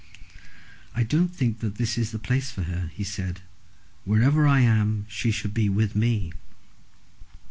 "I don't think that this is the place for her," he said. "Wherever I am she should be with me."